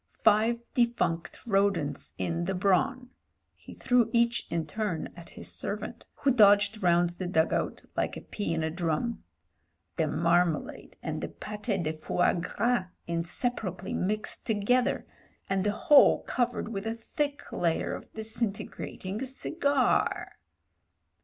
Five defunct rodents in the brawn" — he threw each in turn at his servant, who dodged round the dug out like a pea in a drum — "the marmalade and the pate de fois gras inseparably mixed together, and the whole cov ered with a thick layer of disintegrating cigar."